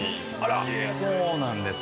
そうなんですね。